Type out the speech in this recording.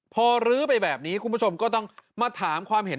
พอลื้อไปแบบนี้คุณผู้ชมก็ต้องมาถามความเห็น